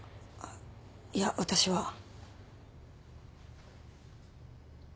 いや私は。